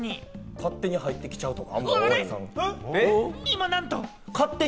勝手に入ってきちゃうとか？